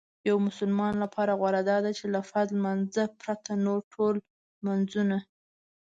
یو مسلمان لپاره غوره داده چې له فرض لمانځه پرته نور ټول لمنځونه